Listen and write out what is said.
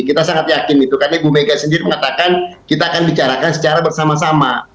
kita sangat yakin itu karena ibu mega sendiri mengatakan kita akan bicarakan secara bersama sama